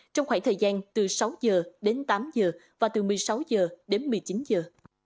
trong khoảng thời gian từ sáu giờ đến tám giờ và từ một mươi sáu giờ đến một mươi chín giờ